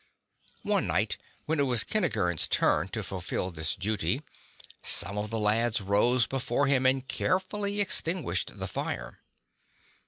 On a night when it was Kentigern's turn to fulfil this duty, some of the lads rose before him and care fully extinguished the fire.